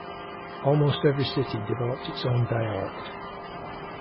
Almost every city developed its own dialect.